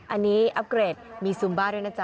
อันนี้อัพเกรดมีซุมบ้าด้วยนะจ๊